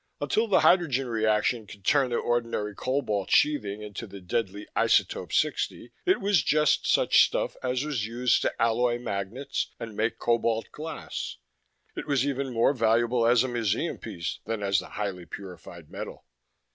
Until the hydrogen reaction could turn the ordinary cobalt sheathing into the deadly isotope 60, it was just such stuff as was used to alloy magnets and make cobalt glass. It was even more valuable as a museum piece than as the highly purified metal.